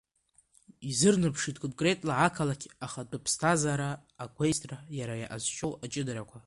Изырнымԥшит конкретла ақалақь ахатәы ԥсҭазаара, агәеисра, иара иаҟазшьоу аҷыдарақәа.